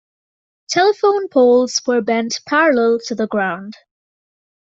Telephone poles were bent parallel to the ground.